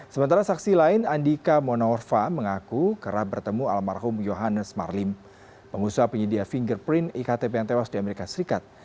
sementara saksi lain andika monorfa mengaku kerap bertemu almarhum yohannes marlim pengusaha penyedia fingerprint iktp yang tewas di amerika serikat